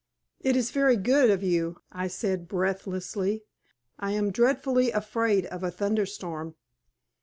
"It is very good of you," I said, breathlessly. "I am dreadfully afraid of a thunderstorm."